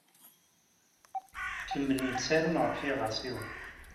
Kemmlen ttarun ɣef yiɣersiwen.